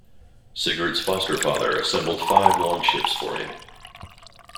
Sigurd's foster-father assembled five longships for him.